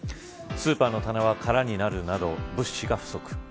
スーパーの棚は空になるなど物資が不足。